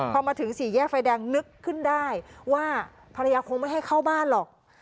พอมาถึงสี่แยกไฟแดงนึกขึ้นได้ว่าภรรยาคงไม่ให้เข้าบ้านหรอก